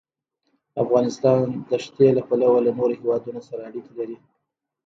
افغانستان د ښتې له پلوه له نورو هېوادونو سره اړیکې لري.